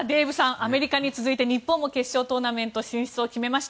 アメリカに続いて日本も決勝トーナメント進出を決めました。